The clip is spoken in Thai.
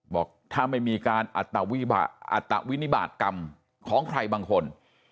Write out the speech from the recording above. บอกถ้าไม่มีการอัตวินิบาตกรรมของใครบางคน